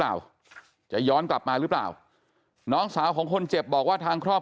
เปล่าจะย้อนกลับมาหรือเปล่าน้องสาวของคนเจ็บบอกว่าทางครอบครัว